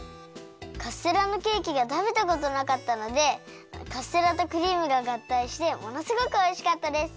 カステラのケーキがたべたことなかったのでカステラとクリームががったいしてものすごくおいしかったです。